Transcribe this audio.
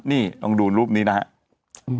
นี่ลองดูรูปนี้นะครับ